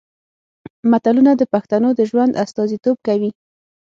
متلونه د پښتنو د ژوند استازیتوب کوي